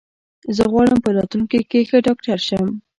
زه غواړم په راتلونکې کې ښه ډاکټر شم.